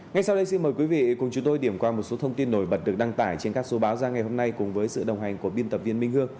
ngay sau đây xin mời quý vị cùng chúng tôi điểm qua một số thông tin nổi bật được đăng tải trên các số báo ra ngày hôm nay cùng với sự đồng hành của biên tập viên minh hương